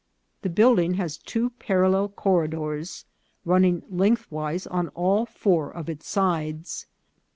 The building has two parallel corridors running lengthwise on all four of its sides.